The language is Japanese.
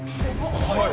はい。